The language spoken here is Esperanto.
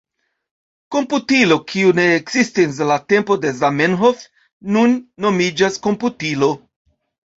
Komputilo, kiu ne ekzistis en la tempo de Zamenhof, nun nomiĝas komputilo.